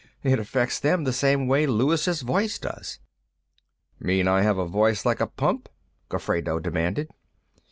It affects them the same way Luis' voice does." "Mean I have a voice like a pump?" Gofredo demanded.